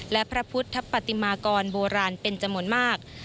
และพระพุทธปฏิมากรโบราณเป็นจำนวนมาก